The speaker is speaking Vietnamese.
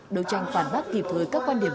đấu tranh phản bác kịp hơi các quan điểm